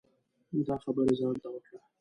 نو دا خبری ځان ته وکړه.